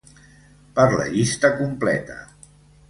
Per la llista completa.